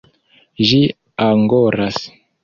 Ĝi angoras.